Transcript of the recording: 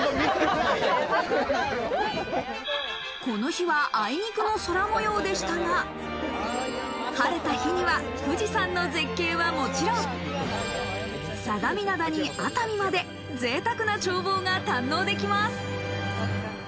この日は、あいにくの空模様でしたが、晴れた日には富士山の絶景はもちろん、相模灘に熱海までぜいたくな眺望が堪能できます。